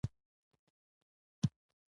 احمدشاه بابا به تل د خلکو خیر غوښت.